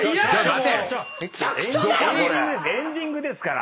エンディングですから！